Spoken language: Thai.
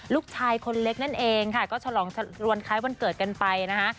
ลูกชายคนเล็กนั่นเองค่ะก็ฉลองรวนคล้ายวันเกิดกันไปนะคะ